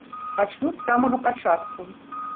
Пачну з самага пачатку.